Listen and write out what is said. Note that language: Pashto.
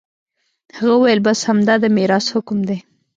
هغه وويل بس همدا د ميراث حکم دى.